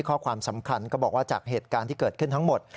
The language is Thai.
ข้อความสำคัญก็บอกว่าจากเหตุการณ์ที่เกิดขึ้นทั้งหมด